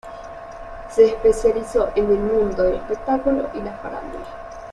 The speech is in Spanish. Se especializó en el mundo del espectáculo y la farándula.